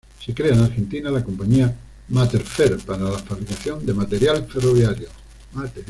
Se crea en Argentina la compañía Materfer para la fabricación de material ferroviario.